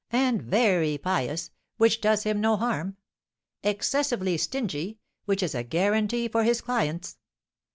"And very pious; which does him no harm." "Excessively stingy; which is a guarantee for his clients."